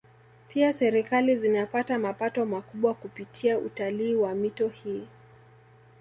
Pia Serikali zinapata mapato makubwa kupitia utalii wa mito hii